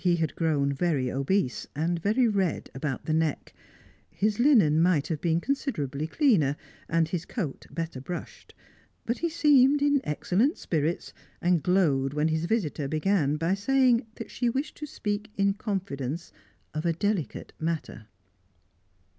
He had grown very obese, and very red about the neck; his linen might have been considerably cleaner, and his coat better brushed. But he seemed in excellent spirits, and glowed when his visitor began by saying that she wished to speak in confidence of a delicate matter.